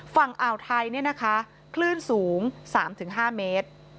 ฝั่งอ่าวไทยเนี่ยนะคะคลื่นสูง๓๕เมตร